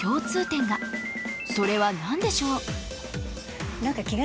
それは何でしょう？